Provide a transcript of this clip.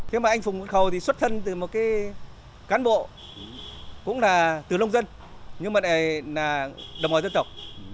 thế mà anh phùng văn khầu thì xuất thân từ một cái cán bộ cũng là từ lông dân nhưng mà này là đồng hồ dân tộc